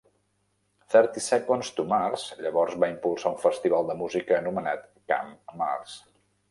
Thirty Seconds to Mars llavors va impulsar un festival de música anomenat Camp Mars.